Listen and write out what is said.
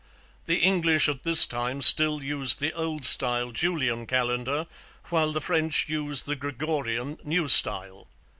The English at this time still used the Old Style Julian calendar, while the French used the Gregorian, New Style.